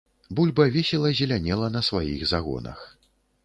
Бульба весела зелянела на сваіх загонах.